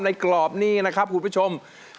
กรอบนี้นะครับคุณผู้ชม